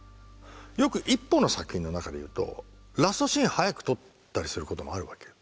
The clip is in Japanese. よく１本の作品の中でいうとラストシーン早く撮ったりすることもあるわけよ。